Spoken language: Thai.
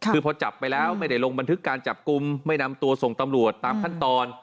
คือพอจับไปแล้วไม่ได้ลงบันทึกการจับกลุ่มไม่นำตัวส่งตำรวจตามขั้นตอน